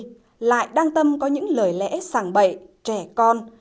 vậy mà đối tượng huỳnh thục vi lại đăng tâm có những lời lẽ sàng bậy trẻ con